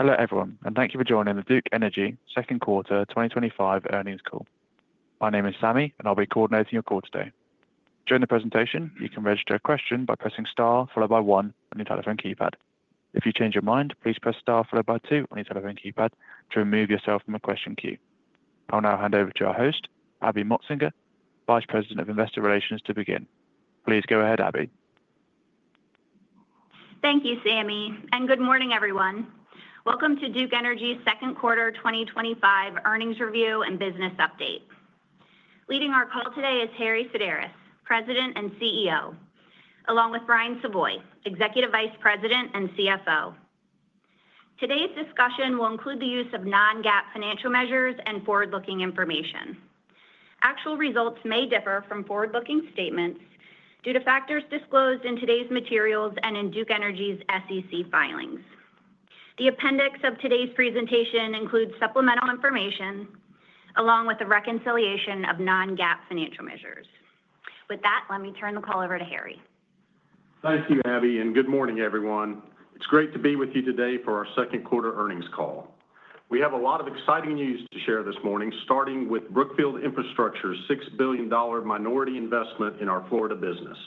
Hello everyone and thank you for joining the Duke Energy second quarter 2025 earnings call. My name is Sami and I'll be coordinating your call today. During the presentation, you can register a question by pressing star followed by one on your telephone keypad. If you change your mind, please press star followed by two on your telephone keypad to remove yourself from a question queue. I'll now hand over to our host, Abby Motsinger, Vice President of Investor Relations, to begin. Please go ahead, Abby. Thank you, Sami, and good morning everyone. Welcome to Duke Energy's second quarter 2025 earnings review and business update. Leading our call today is Harry Sideris, President and CEO, along with Brian Savoy, Executive Vice President and CFO. Today's discussion will include the use of non-GAAP financial measures and forward-looking information. Actual results may differ from forward-looking statements due to factors disclosed in today's materials and in Duke Energy's SEC filings. The appendix of today's presentation includes supplemental information along with a reconciliation of non-GAAP financial measures. With that, let me turn the call over to Harry. Thank you, Abby, and good morning, everyone. It's great to be with you today for our second quarter earnings call. We have a lot of exciting news to share this morning, starting with Brookfield Infrastructure's $6 billion minority investment in our Florida business.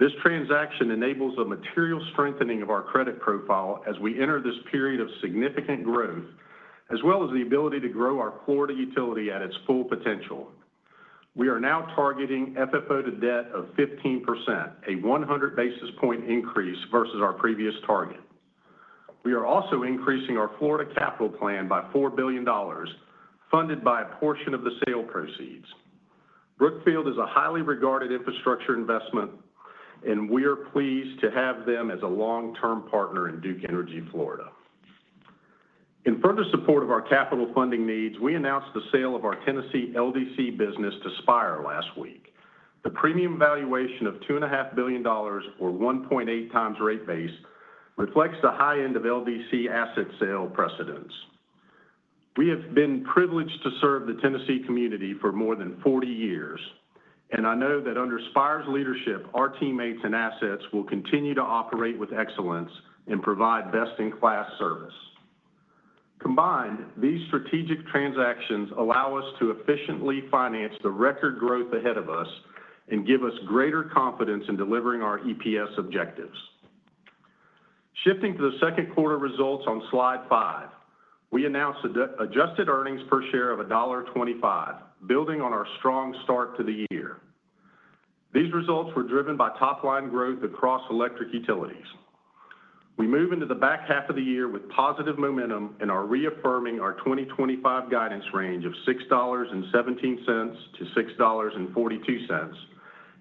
This transaction enables a material strengthening of our credit profile as we enter this period of significant growth, as well as the ability to grow our Florida utility at its full potential. We are now targeting FFO to debt of 15%, a 100 basis point increase versus our previous target. We are also increasing our Florida capital plan by $4 billion, funded by a portion of the sale proceeds. Brookfield is a highly regarded infrastructure investment, and we are pleased to have them as a long-term partner in Duke Energy Florida. In further support of our capital funding needs, we announced the sale of our Tennessee LDC business to Spire last week. The premium valuation of $2.5 billion, or 1.8 times rate base, reflects the high end of LDC asset sale precedents. We have been privileged to serve the Tennessee community for more than 40 years. I know that under Spire's leadership, our teammates and assets will continue to operate with excellence and provide best-in-class service. Combined, these strategic transactions allow us to efficiently finance the record growth ahead of us and give us greater confidence in delivering our EPS objectives. Shifting to the second quarter results, on Slide 5, we announced adjusted earnings per share of $1.25, building on our strong start to the year. These results were driven by top line growth across electric utilities. We move into the back half of the year with positive momentum and are reaffirming our 2025 guidance range of $6.17 to $6.42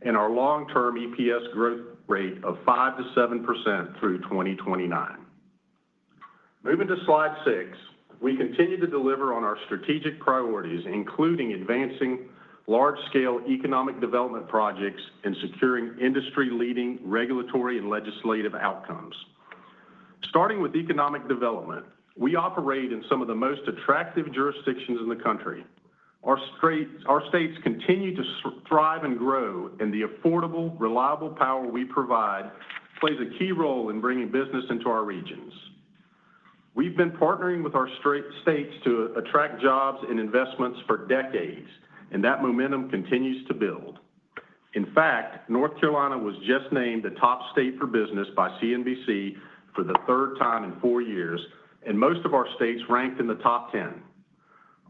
and our long-term EPS growth rate of 5% to 7% through 2029. Moving to Slide 6, we continue to deliver on our strategic priorities, including advancing large-scale economic development projects and securing industry-leading regulatory and legislative outcomes. Starting with economic development, we operate in some of the most attractive jurisdictions in the country. Our states continue to thrive and grow, and the affordable, reliable power we provide plays a key role in bringing business into our regions. We've been partnering with our states to attract jobs and investments for decades, and that momentum continues to build. In fact, North Carolina was just named the top state for business by CNBC for the third time in four years, and most of our states ranked in the top 10.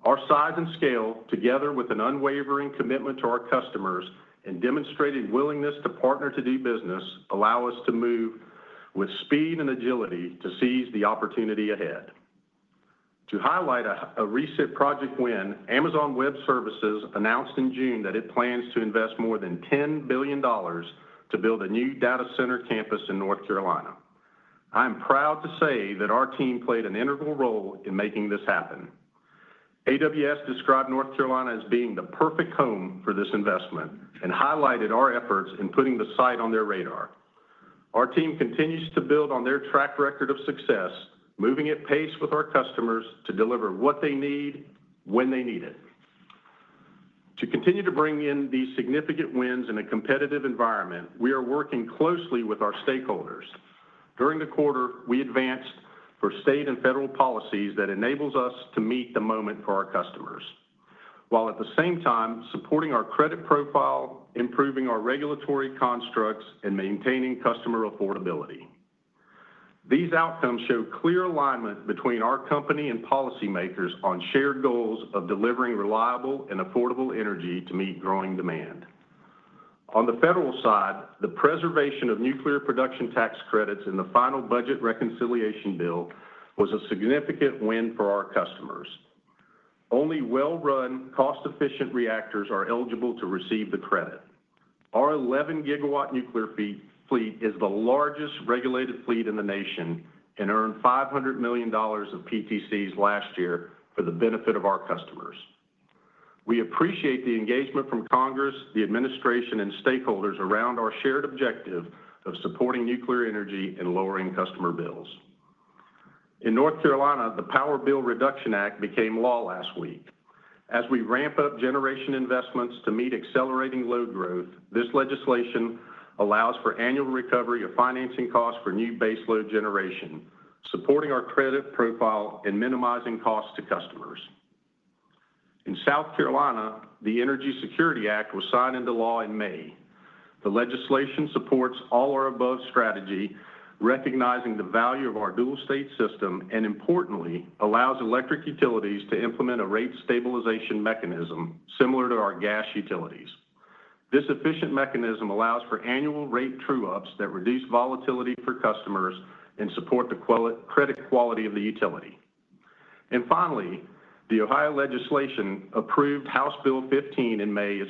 Our size and scale, together with an unwavering commitment to our customers and demonstrated willingness to partner to do business, allow us to move with speed and agility to seize the opportunity ahead. To highlight a recent project win, Amazon Web Services announced in June that it plans to invest more than $10 billion to build a new data center campus in North Carolina. I am proud to say that our team played an integral role in making this happen. AWS described North Carolina as being the perfect home for this investment and highlighted our efforts in putting the site on their radar. Our team continues to build on their track record of success, moving at pace with our customers to deliver what they need when they need it. To continue to bring in these significant wins in a competitive environment, we are working closely with our stakeholders. During the quarter, we advanced for state and federal policies that enable us to meet the moment for our customers while at the same time supporting our credit profile, improving our regulatory constructs, and maintaining customer affordability. These outcomes show clear alignment between our company and policymakers on shared goals of delivering reliable and affordable energy to meet growing demand. On the federal side, the preservation of nuclear production tax credits in the final budget reconciliation bill was a significant win for our customers. Only well-run, cost-efficient reactors are eligible to receive the credit. Our 11 GW nuclear fleet is the largest regulated fleet in the nation and earned $500 million of PTCs last year for the benefit of our customers. We appreciate the engagement from Congress, the administration, and stakeholders around our shared objective of supporting nuclear energy and lowering customer bills. In North Carolina, the Power Bill Reduction Act became law last week. As we ramp up generation investments to meet accelerating load growth, this legislation allows for annual recovery of financing costs for new baseload generation, supporting our credit profile and minimizing costs to customers. In South Carolina, the Energy Security Act was signed into law in May. The legislation supports all of our above strategy, recognizing the value of our dual state system and, importantly, allows electric utilities to implement a rate stabilization mechanism similar to our gas utilities. This efficient mechanism allows for annual rate true-ups that reduce volatility for customers and support the credit quality of the utility. Finally, the Ohio legislation approved House Bill 15 in May. As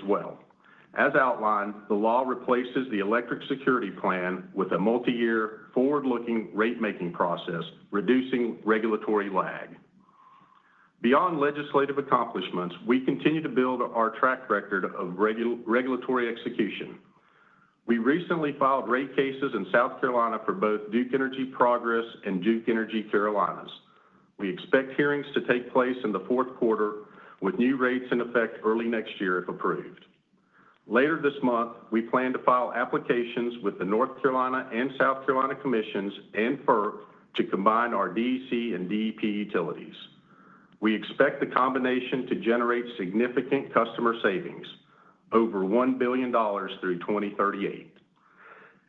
outlined, the law replaces the Electric Security Plan with a multi-year forward-looking rate making process, reducing regulatory lag. Beyond legislative accomplishments, we continue to build our track record of regulatory execution. We recently filed rate cases in South Carolina for both Duke Energy Progress and Duke Energy Carolinas. We expect hearings to take place in the fourth quarter with new rates in effect early next year. If approved later this month, we plan to file applications with the North Carolina and South Carolina Commissions and FERC to combine our DC and DP utilities. We expect the combination to generate significant customer savings, over $1 billion through 2038,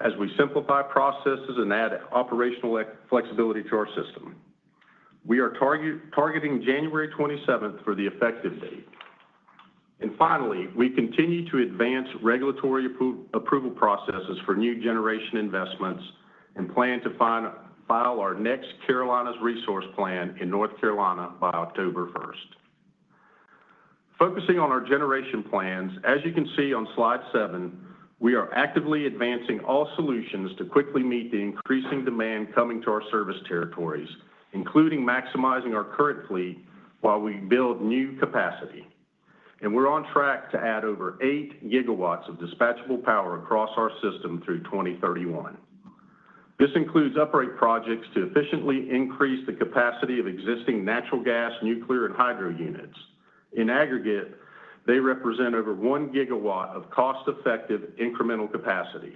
as we simplify processes and add operational flexibility to our system. We are targeting January 27th for the effective date. We continue to advance regulatory approval processes for new generation investments and plan to file our next Carolinas resource plan in North Carolina by October 1st, focusing on our generation plans. As you can see on slide 7, we are actively advancing all solutions to quickly meet the increasing demand coming to our service territories, including maximizing our current fleet while we build new capacity, and we're on track to add over 8 GW of dispatchable power across our system through 2031. This includes upgrade projects to efficiently increase the capacity of existing natural gas, nuclear, and hydro units. In aggregate, they represent over 1 GW of cost-effective incremental capacity.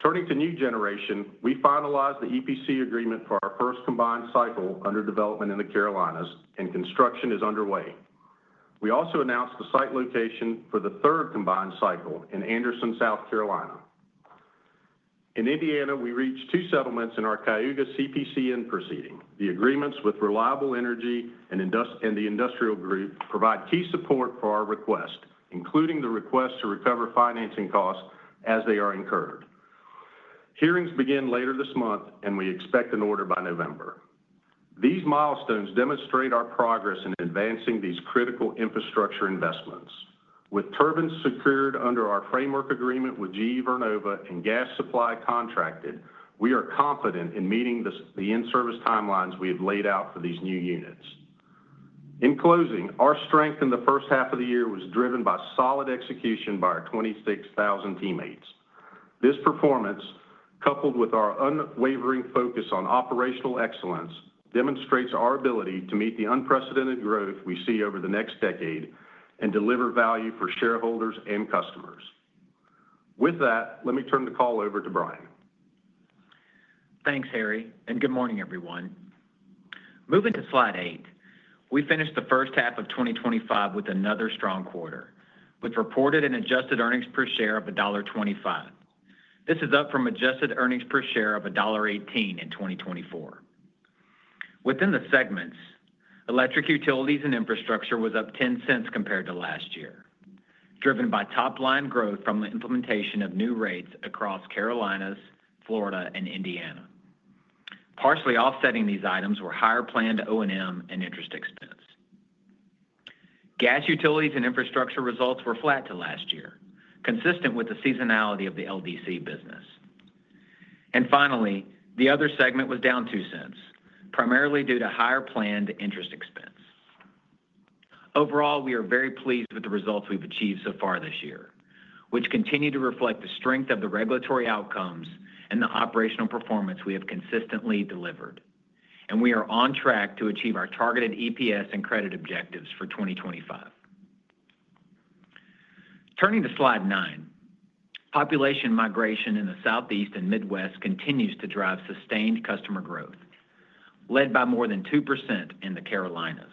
Turning to new generation, we finalized the EPC agreement for our first combined cycle under development in the Carolinas, and construction is underway. We also announced the site location for the third combined cycle in Anderson, South Carolina. In Indiana, we reached two settlements in our Cayuga CPCN proceeding. The agreements with Reliable Energy and the Industrial Group provide key support for our request, including the request to recover financing costs as they are incurred. Hearings begin later this month and we expect an order by November. These milestones demonstrate our progress in advancing these critical infrastructure investments. With turbines secured under our framework agreement with GE Vernova and gas supply contracted, we are confident in meeting the in service timelines we have laid out for these new units. In closing, our strength in the first half of the year was driven by solid execution by our 26,000 teammates. This performance, coupled with our unwavering focus on operational excellence, demonstrates our ability to meet the unprecedented growth we see over the next decade and deliver value for shareholders and customers. With that, let me turn the call over to Brian. Thanks Harry and good morning everyone. Moving to Slide 8, we finished the first half of 2025 with another strong quarter with reported and adjusted earnings per share of $1.25. This is up from adjusted earnings per share of $1.18 in 2024. Within the segments, Electric Utilities and Infrastructure was up $0.10 compared to last year, driven by top line growth from the implementation of new rates across the Carolinas, Florida, and Indiana. Partially offsetting these items were higher planned O&M and interest expense. Gas Utilities and Infrastructure results were flat to last year, consistent with the seasonality of the LDC business. Finally, the Other segment was down $0.02 primarily due to higher planned interest expense. Overall, we are very pleased with the results we've achieved so far this year, which continue to reflect the strength of the regulatory outcomes and the operational performance we have consistently delivered. We are on track to achieve our targeted EPS and credit objectives for 2025. Turning to Slide 9, population migration in the Southeast and Midwest continues to drive sustained customer growth led by more than 2% in the Carolinas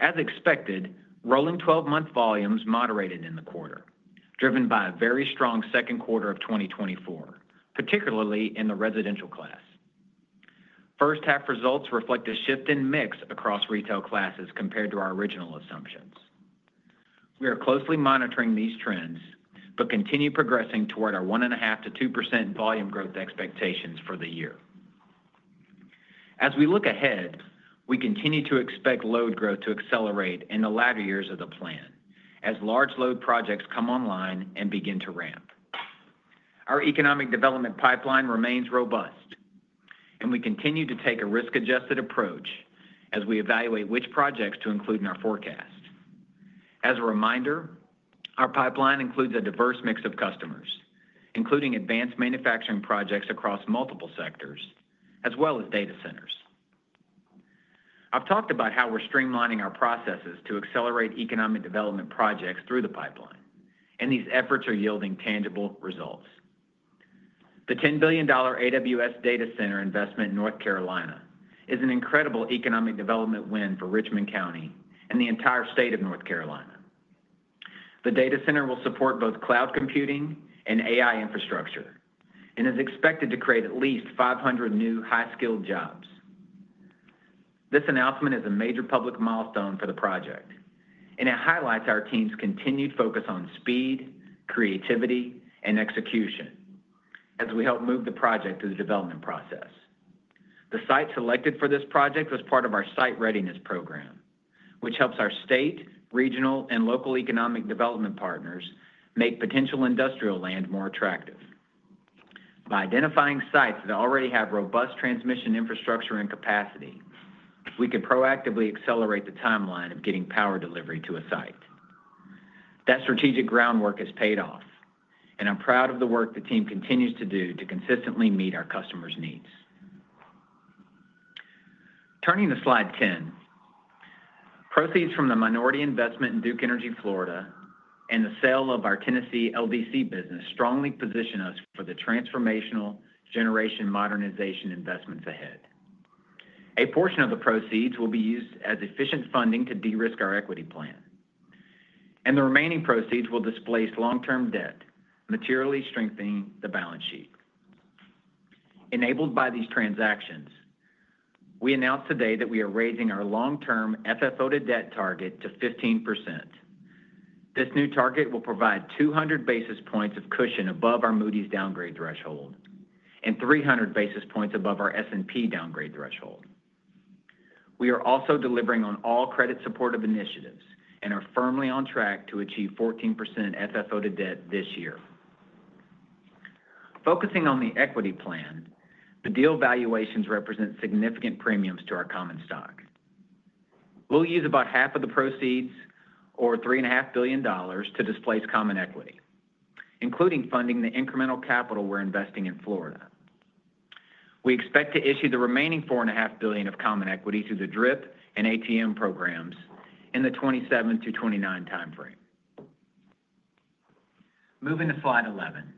as expected. Rolling 12-month volumes moderated in the quarter driven by a very strong second quarter of 2024, particularly in the residential class. First half results reflect a shift in mix across retail classes compared to our original assumptions. We are closely monitoring these trends but continue progressing toward our 1.5%-2% volume growth expectations for the year. As we look ahead, we continue to expect load growth to accelerate in the latter years of the plan as large load projects come online and begin to ramp. Our economic development pipeline remains robust and we continue to take a risk-adjusted approach as we evaluate which projects to include in our forecast. As a reminder, our pipeline includes a diverse mix of customers, including advanced manufacturing projects across multiple sectors as well as data centers. I've talked about how we're streamlining our processes to accelerate economic development projects through the pipeline and these efforts are yielding tangible results. The $10 billion AWS data center investment in North Carolina is an incredible economic development win for Richmond County and the entire state of North Carolina. The data center will support both cloud computing and AI infrastructure and is expected to create at least 500 new high-skilled jobs. This announcement is a major public milestone for the project, and it highlights our team's continued focus on speed, creativity, and execution as we help move the project through the development process. The site selected for this project was part of our Site Readiness Program, which helps our state, regional, and local economic development partners make potential industrial land more attractive. By identifying sites that already have robust transmission infrastructure and capacity, we could proactively accelerate the timeline of getting power delivery to a site. That strategic groundwork has paid off, and I'm proud of the work the team continues to do to consistently meet our customers' needs. Turning to slide 10, proceeds from the minority investment in Duke Energy Florida and the sale of our Tennessee LDC business strongly position us for the transformational generation modernization investments ahead. A portion of the proceeds will be used as efficient funding to de-risk our equity plan, and the remaining proceeds will displace long-term debt, materially strengthening the balance sheet. Enabled by these transactions, we announced today that we are raising our long-term FFO to debt target to 15%. This new target will provide 200 basis points of cushion above our Moody's downgrade threshold and 300 basis points above our S&P downgrade threshold. We are also delivering on all credit supportive initiatives and are firmly on track to achieve 14% FFO to debt this year. Focusing on the equity plan, the deal valuations represent significant premiums to our common stock. We'll use about half of the proceeds, or $3.5 billion, to displace common equity, including funding the incremental capital we're investing in Florida. We expect to issue the remaining $4.5 billion of common equity to the DRIP and ATM programs in the 2027-2029 timeframe. Moving to slide 11,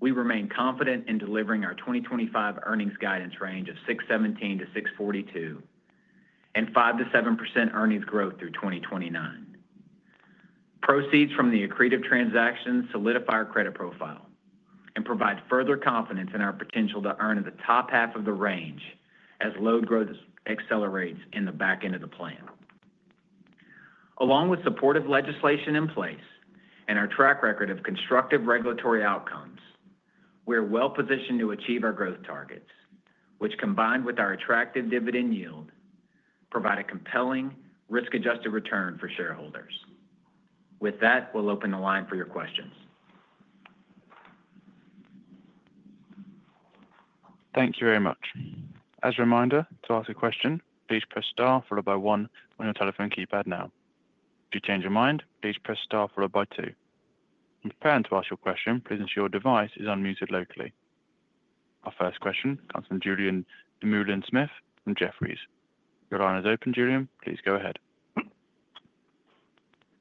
we remain confident in delivering our 2025 earnings guidance range of $6.17-$6.42 and 5%-7% earnings growth through 2029. Proceeds from the accretive transactions solidify our credit profile and provide further confidence in our potential to earn in the top half of the range as load growth accelerates in the back end of the plan. Along with supportive legislation in place and our track record of constructive regulatory outcomes, we're well positioned to achieve our growth targets, which, combined with our attractive dividend yield, provide a compelling risk-adjusted return for shareholders. With that, we'll open the line for your questions. Thank you very much. As a reminder to ask a question, please press star followed by one on your telephone keypad. If you change your mind, please press star followed by two. When preparing to ask your question, please ensure your device is unmuted locally. Our first question comes from Julien Dumoulin-Smith from Jefferies. Your line is open, Julien. Please go ahead.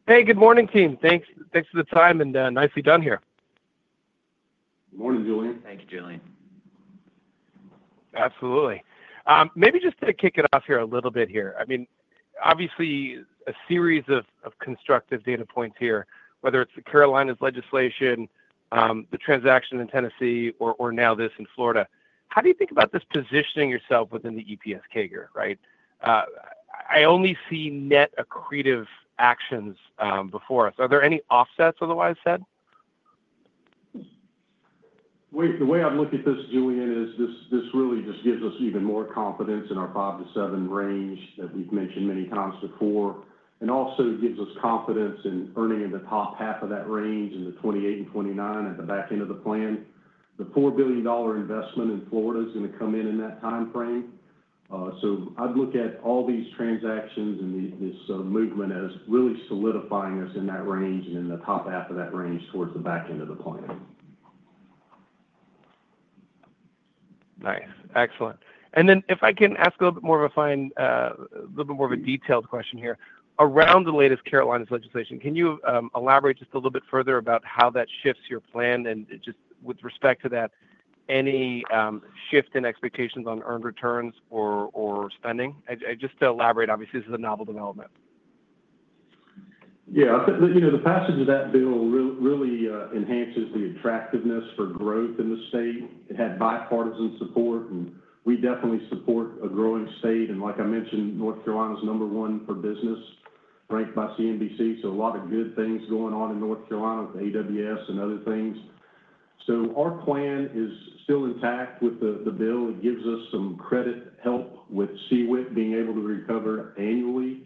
Hey, good morning, team. Thanks. Thanks for the time and nicely done here. Morning, Julien. Thanks, Julien. Absolutely. Maybe just to kick it off here a little bit, I mean, obviously a series of constructive data points here. Whether it's the Carolinas legislation, the transaction in Tennessee, or now this in Florida. How do you think about this positioning yourself within the EPS CAGR? I only see net accretive actions before us. Are there any offsets? Otherwise said, the way I'd look at this, Julien, is this. This really just gives us even more confidence in our 5%-7% range that we've mentioned many times before and also gives us confidence in earning in the top half of that range in 2028 and 2029 at the back end of the plan. The $4 billion investment in Florida is going to come in in that time frame. I'd look at all these transactions and this movement as really solidifying us in that range and in the top half of that range towards the back end of the plan. Nice. Excellent. If I can ask a little bit more of a fine, little bit more of a detailed question here around the latest Carolinas legislation, can you elaborate just a little bit further about how that shifts your plan and just with respect to that, any shift in expectations on earned returns or spending? To elaborate, obviously, this is a novel development. Yeah. The passage of that bill really enhances the attractiveness for growth in the state. It had bipartisan support and we definitely support a growing state. Like I mentioned, North Carolina is number one for business, ranked by CNBC. A lot of good things going on in North Carolina with AWS and other things. Our plan is still intact with the bill. It gives us some credit help with CWIC being able to recover annually.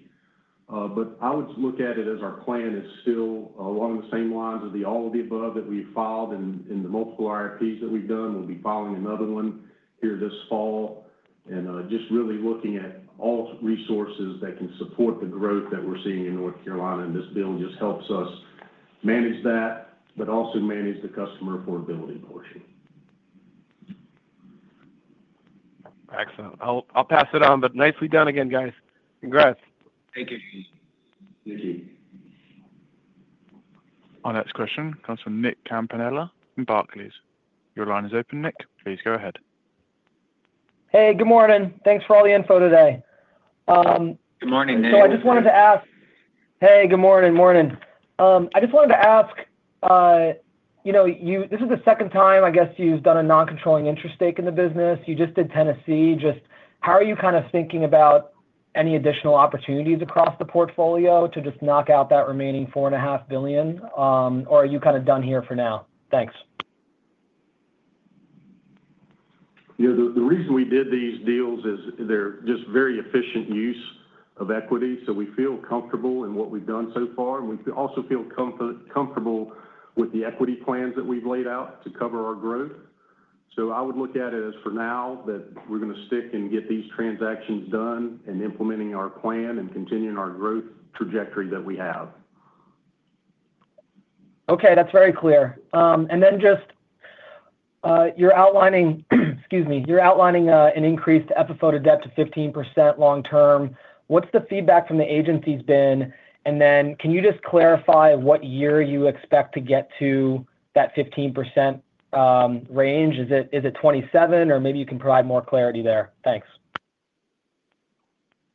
I would look at it as our plan is still along the same lines of the all of the above that we filed in the multiple RFPs that we've done. We'll be filing another one here this fall and just really looking at all resources that can support the growth that we're seeing in North Carolina. This bill just helps us manage that, but also manage the customer affordability portion. Excellent. I'll pass it on. Nicely done again, guys. Congrats. Thank you. Our next question comes from Nick Campanella at Barclays. Your line is open, Nick. Please go ahead. Good morning. Thanks for all the info today. I just wanted to ask, you know, this is the second time I guess you've done a non-controlling interest stake in the business. You just did Tennessee, just half. How are you kind of thinking about any additional opportunities across the portfolio to just knock out that remaining $4.5 billion, or are you kind of done here for now? Thanks. You know the reason we did these deals is they're just very efficient use of equity. We feel comfortable in what we've done so far. We also feel comfortable with the equity plans that we've laid out to cover our growth. I would look at it as for now that we're going to stick and get these transactions done, implementing our plan and continuing our growth trajectory that we have. Okay, that's very clear. You're outlining an increased FFO to debt to 15% long term. What's the feedback from the agencies been, and can you just clarify what year you expect to get to that 15% range? Is it 2027, or maybe you can provide more clarity there. Thanks.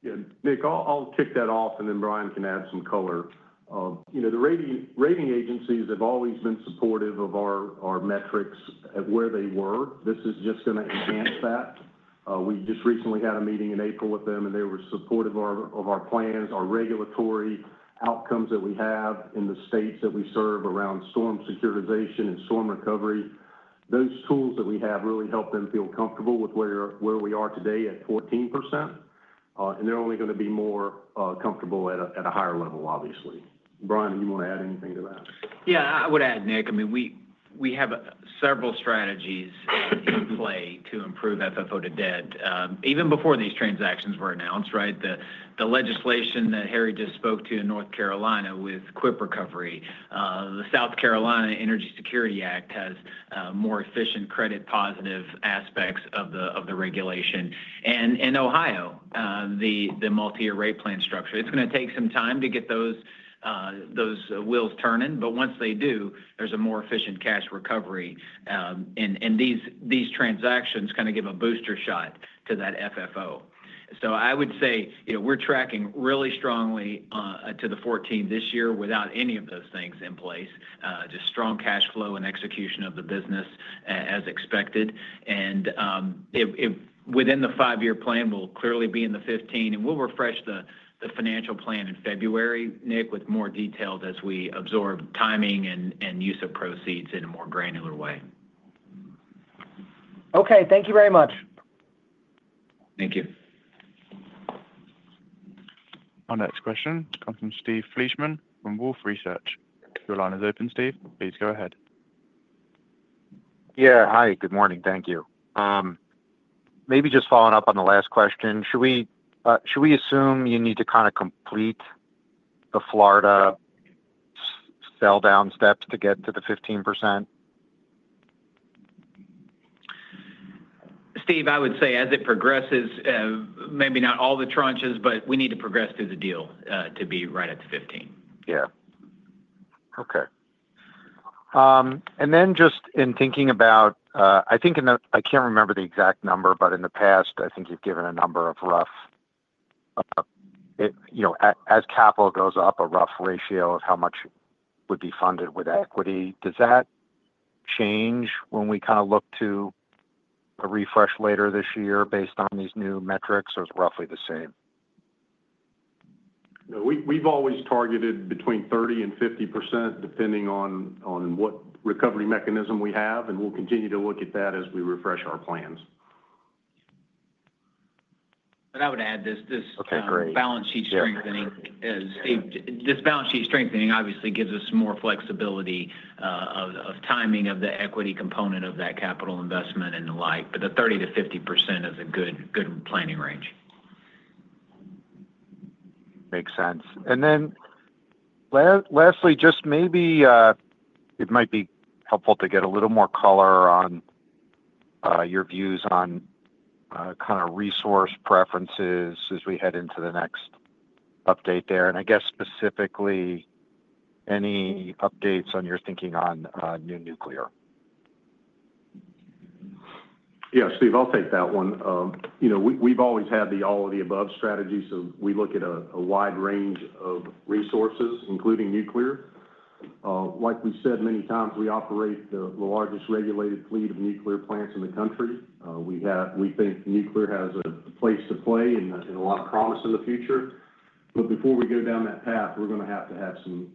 Yeah, Nick, I'll take that and then Brian can add some color. You know, the rating agencies have always been supportive of our metrics where they were. This is just going to enhance that. We just recently had a meeting in April with them, and they were supportive of our plans, our regulatory outcomes that we have in the states that we serve around storm securitization and storm recovery. Those tools that we have really helped them feel comfortable with where we are today at 14%. They're only going to be more comfortable at a higher level, obviously. Brian, you want to add anything to that? Yeah, I would add, Nick. I mean, we have several strategies in play to improve FFO to debt even before these transactions were announced. Right. The legislation that Harry just spoke to in North Carolina with quip, the South Carolina Energy Security Act has more efficient credit positive aspects of the regulation. In Ohio, the multi-year rate plan structure, it's going to take some time to get those wheels turning, but once they do, there's a more efficient cash recovery, and these transactions kind of give a booster shot to that FFO. I would say we're tracking really strongly to the 14 this year without any of those things in place, just strong cash flow and execution of the business as expected. Within the five-year plan, we'll clearly be in the 15. We'll refresh the financial plan in February, Nick, with more details as we absorb timing and use of proceeds in a more granular way. Okay, thank you very much. Thank you. Our next question comes from Steve Fleishman from Wolfe Research. Your line is open, Steve. Please go ahead. Yeah, hi, good morning. Thank you. Maybe just following up on the last question. Should we assume you need to kind. Of complete the Florida sell down steps to get to the 15%? Steve, I would say as it progresses, maybe not all the tranches, but we need to progress through the deal to be right up to 15%. Yeah. Okay. In thinking about, I. I can't remember the exact number, but in the past I think you've. Given a number of rough. You know, as capital goes up, a rough ratio. Of how much would be funded with equity. Does that change when we kind of. Look to a refresh later this year. Based on these new metrics, or is it roughly the same? No, we've always targeted between 30% and 50% depending on what recovery mechanism we have. We'll continue to look at that as we refresh our plans. I would add this balance sheet strengthening, Steve. This balance sheet strengthening obviously gives us more flexibility of timing of the equity component of that capital investment and the like. The 30%-50% is a good planning range. Makes sense. Lastly, it might be helpful to get a little more. Color on your views on kind of. Resource preferences as we head into the next update there. I guess specifically any updates on your thinking on new nuclear. Yeah, Steve, I'll take that one. You know, we've always had the all of the above strategy. We look at a wide range of resources, including nuclear. Like we've said many times, we operate the largest regulated fleet of nuclear plants in the country. We have, we think nuclear has a place to play and a lot of promise in the future. Before we go down that path, we're going to have to have some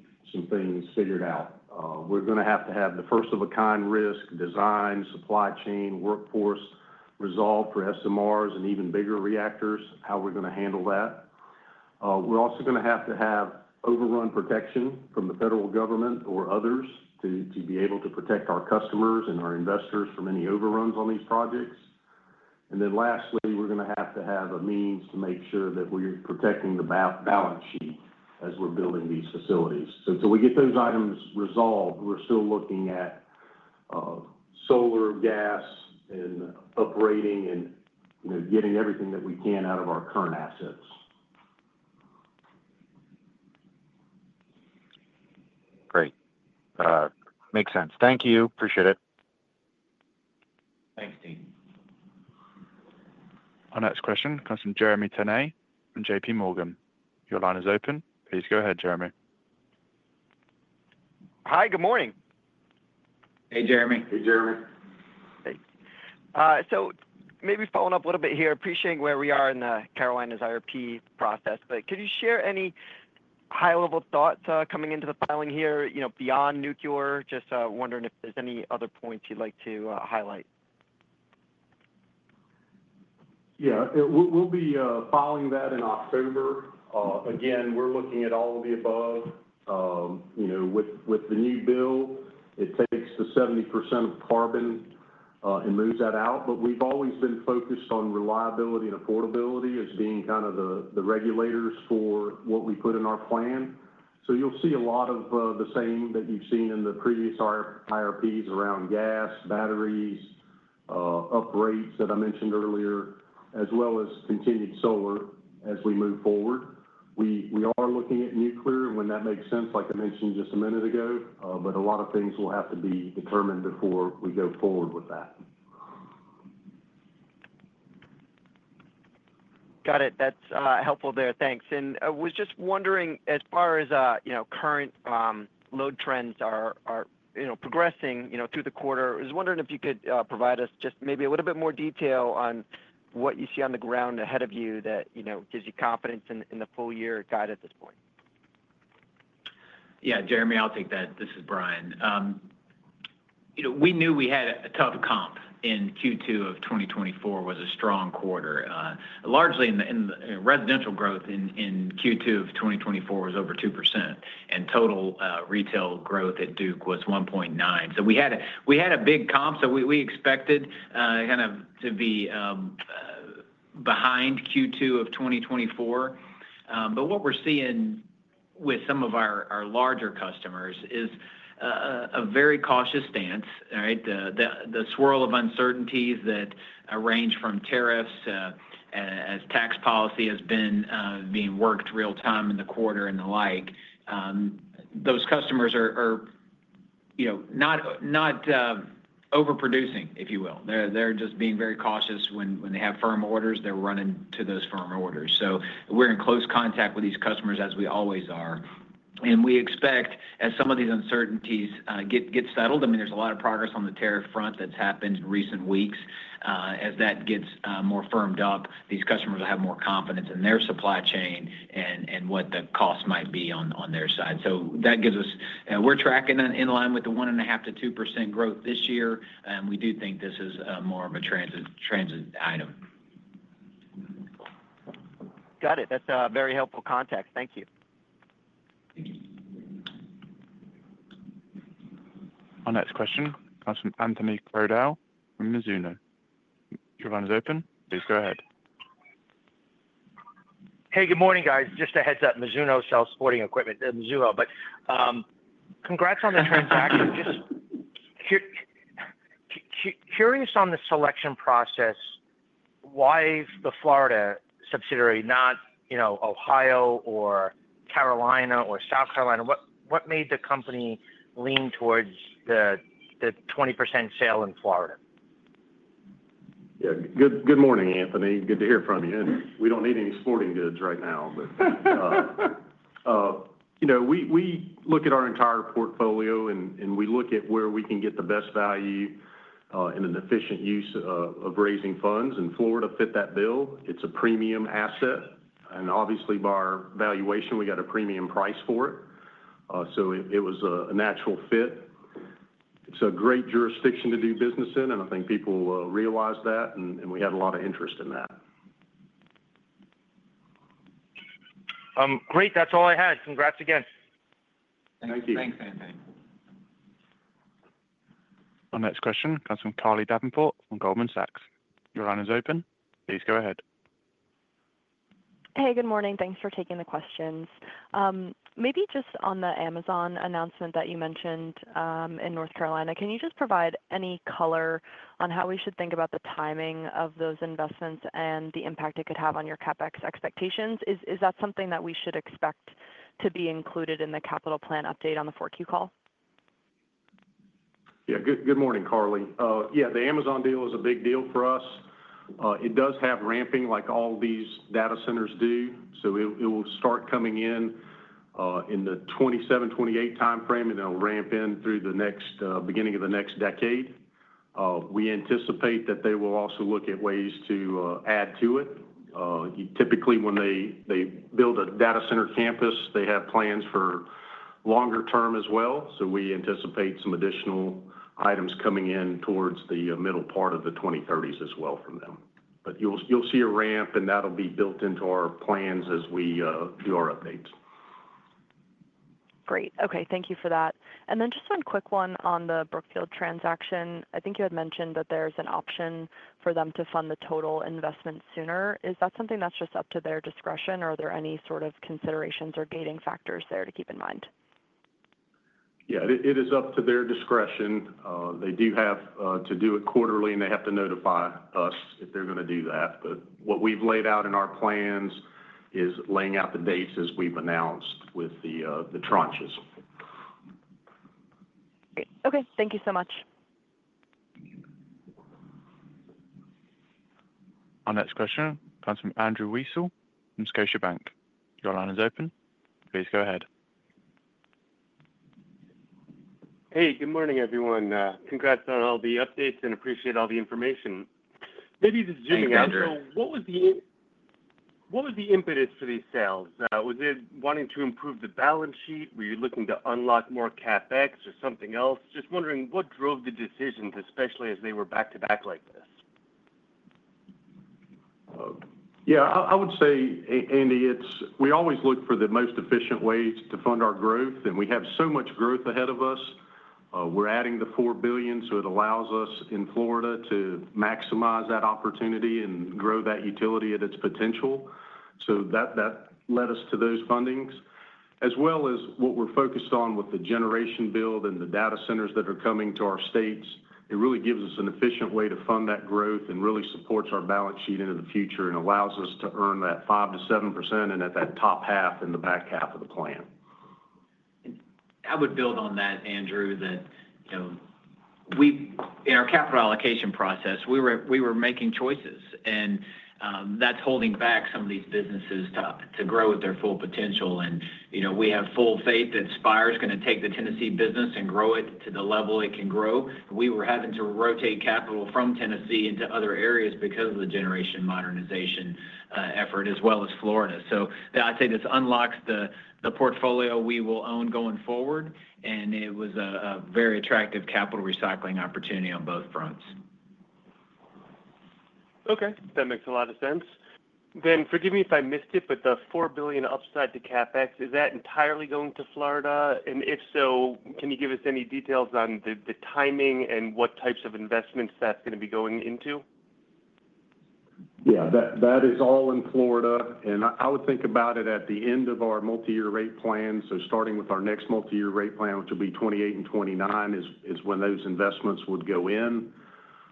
things figured out. We're going to have to have the first of a kind risk, design, supply chain, workforce resolved, perhaps to Mars and even bigger reactors, how we're going to handle that. We're also going to have to have overrun protection from the federal government or others to be able to protect our customers and our investors from any overruns on these projects. Lastly, we're going to have to have a means to make sure that we are protecting the balance sheet as we're building these facilities. Until we get those items resolved, we're still looking at solar, gas, and upgrading and, you know, getting everything that. We can out of our current assets. Great, makes sense. Thank you. Appreciate it. Thanks. Our next question comes from Jeremy Tonet from JPMorgan. Your line is open. Please go ahead. Jeremy. Hi, good morning. Hey, Jeremy. Hey Jeremy. Maybe following up a little bit here, appreciating where we are in the Carolinas IRP process, could you share any high level thoughts coming into the filing here? You know, beyond nuclear, just wondering if there's any other points you'd like to highlight. Yeah, we'll be filing that in October. Again, we're looking at all of the above. You know, with the new bill it takes the 70% of carbon and moves that out. We've always been focused on reliability and affordability as being kind of the regulators for what we put in our plan. You'll see a lot of the same that you've seen in the pre-SAR IRPs around gas, batteries, upgrades that I mentioned earlier, as well as continued solar. As we move forward, we are looking at nuclear when that makes sense like I mentioned just a minute ago. A lot of things will have to be determined before we go forward with that. Got it. That's helpful there. Thanks. I was just wondering as far as, you know, current load trends are progressing through the quarter, I was wondering if you could provide us just maybe a little bit more detail on what you see on the ground ahead of you that gives you confidence in the full year guide at this point. Yeah, Jeremy, I'll take that. This is Brian. We knew we had a tough comp in Q2 of 2024. It was a strong quarter largely in residential growth. In Q2 of 2024, it was over 2% and total retail growth at Duke was 1.9%. We had a big comp. We expected to be behind Q2 of 2024. What we're seeing with some of our larger customers is a very cautious stance. The swirl of uncertainties that range from tariffs as tax policy has been being worked real time in the quarter and the like. Those customers are not overproducing, if you will. They're just being very cautious when they have firm orders, they're running to those firm orders. We're in close contact with these customers as we always are and we expect as some of these uncertainties get settled. There is a lot of progress on the tariff front that's happened in recent weeks. As that gets more firmed up, these customers will have more confidence. Supply chain and what the cost might be on their side. That gives us confidence. We're tracking in line with the 1.5%-2% growth this year. We do think this is more of a transient item. Got it. That's a very helpful context. Thank you. Our next question comes from Anthony Crowdell from Mizuho. Your line is open. Please go ahead. Hey, good morning, guys. Just a heads up, Mizuho sells sporting equipment. Mizuho. Congrats on the transaction. Curious on the selection process. Why the Florida subsidiary, not, you know? Ohio or Carolinas or South Carolina, what? Made the company lean towards the 20% sale in Florida? Yeah. Good. Good morning, Anthony. Good to hear from you. We don't need any sporting goods right now, but we look at our entire portfolio and we look at where we can get the best value in an efficient use of raising funds. Florida fit that bill. It's a premium asset, and obviously, bar valuation, we got a premium price for it. It was a natural fit. It's a great jurisdiction to do business in, and I think people realize that. We had a lot of interest in that. Great. That's all I had. Congrats again. Thank you. Thanks Anthony. Our next question comes from Carly Davenport from Goldman Sachs. Your line is open. Please go ahead. Hey, good morning. Thanks for taking the questions. Maybe just on the Amazon announcement that you mentioned in North Carolina, can you just provide any color on how we should think about the timing of those investments and the impact it could have on your CapEx expectations? Is that something that we should expect to be included in the capital plan update on the 4Q call? Yeah. Good morning, Carly. Yeah. The Amazon deal is a big deal for us. It does have ramping like all these data centers do. It will start coming in the 2027-2028 time frame, and it'll ramp in through the beginning of the next decade. We anticipate that they will also look at ways to add to it. Typically, when they build a data center campus, they have plans for longer term as well. We anticipate some additional items coming in towards the middle part of the 2030s as well from them. You'll see a ramp, and that'll be built into our plans as we do our updates. Great. Okay. Thank you for that. Just one quick one. On the Brookfield transaction, I think you had mentioned that there's an option for them to fund the total investment sooner. Is that something that's just up to their discretion? Are there any sort of considerations or gating factors there to keep in mind? Yeah, it is up to their discretion. They do have to do it quarterly, and they have to notify us if they're going to do that. What we've laid out in our plans is laying out the dates as we've announced with the tranches. Okay, thank you so much. Our next question comes from Andrew Weisel from Scotiabank. Your line is open. Please go ahead. Hey, good morning everyone. Congrats on all the updates and appreciate all the information. What was the impetus for these sales? Was it wanting to improve the balance sheet? Were you looking to unlock more CapEx or something else? Just wondering what drove the decisions especially as they were back to back like this. I would say Andy, we always look for the most efficient ways to fund our growth and we have so much growth ahead of us, we're adding the $4 billion. It allows us in Florida to maximize that opportunity and grow that utility at its potential. That led us to those fundings as well as what we're focused on with the generation build and the data centers that are coming to our states. It really gives us an efficient way to fund that growth and really supports our balance sheet into the future and allows us to earn that 5%-7%. At that top half in the. Back half of the plan. I would build on that, Andrew, that you know we, in our capital allocation process, we were making choices and that's holding back some of these businesses to grow at their full potential. You know, we have full faith that Spire is going to take the Tennessee business and grow it to the level it can grow. We were having to rotate capital from Tennessee into other areas because of the generation modernization effort as well as Florida. I'd say this unlocks the portfolio we will own going forward. It was a very attractive capital recycling opportunity on both fronts. Okay, that makes a lot of sense. Then, forgive me if I missed it, but the $4 billion upside to CapEx, is that entirely going to Florida, and if so, can you give us any details on the timing and what types of investments that's going to go into? Yeah, that is all in Florida, and I would think about it at the end of our multi-year rate plan. Starting with our next multi-year rate plan, which will be 2028 and 2029, is when those investments would go in.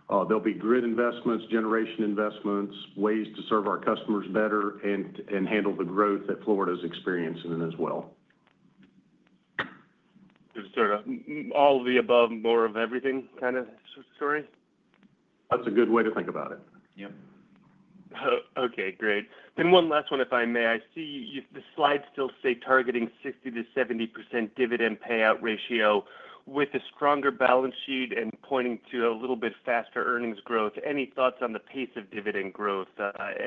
There'll be grid investments, generation investments, ways to serve our customers better, and handle the growth that Florida is experiencing as well. Sort of all of the above, more of everything kind of story, that's a good way to think about it. Yeah. Okay, great. One last one, if I may. I see the slides still say targeting 60%-70% dividend payout ratio with a stronger balance sheet and pointing to a little bit faster earnings growth. Any thoughts on the pace of dividend growth?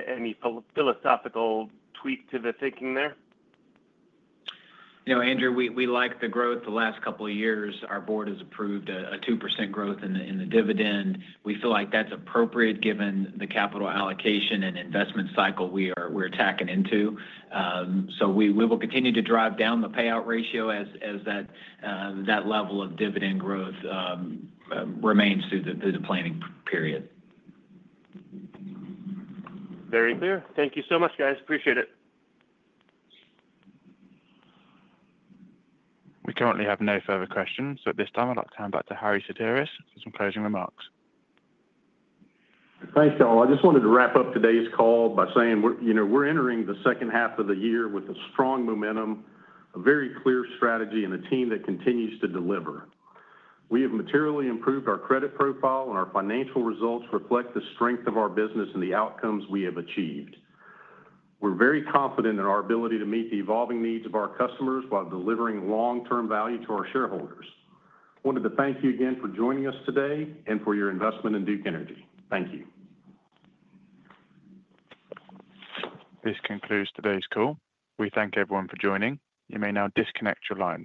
Any philosophical tweak to the thinking there? You know, Andrew, we like the growth. The last couple of years, our board has approved a 2% growth in the dividend. We feel like that's appropriate given the capital allocation and investment cycle we are tacking into. We will continue to drive down the payout ratio as that level of dividend growth remains through the planning period. Very clear. Thank you so much, guys. Appreciate it. We currently have no further questions. At this time I'd like to turn back to Harry Sideris for some closing remarks. Thanks, all. I just wanted to wrap up today's call by saying, you know, we're entering the second half of the year with strong momentum, a very clear strategy, and a team that continues to deliver. We have materially improved our credit profile, and our financial results reflect the strength of our business and the outcomes we have achieved. We're very confident in our ability to meet the evolving needs of our customers while delivering long-term value to our shareholders. Wanted to thank you again for joining us today and for your investment in Duke Energy. Thank you. This concludes today's call. We thank everyone for joining. You may now disconnect your lines.